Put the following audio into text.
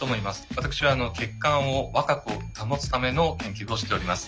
私は血管を若く保つための研究をしております。